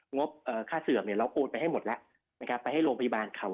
งบค่าเสื่อมเราโกรธไปให้หมดแล้วไปให้โรงพยาบาลเขา